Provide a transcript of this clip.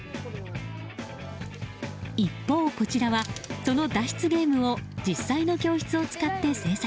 一方、こちらはその脱出ゲームを実際の教室を使って制作。